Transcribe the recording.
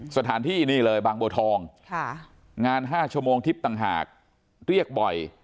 สถานที่นี่เลยบางบัวทองงาน๕ชั่วโมงทิพย์ต่างหากเรียกบ่อย